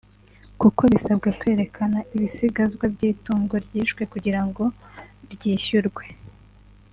kuko bisabwa kwerekana ibisigazwa by’itungo ryishwe kugira ngo ryishyurwe